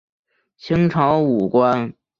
清朝武官。